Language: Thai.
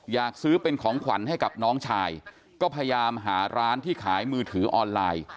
อยากซื้อเป็นของขวัญให้กับน้องชายก็พยายามหาร้านที่ขายมือถือออนไลน์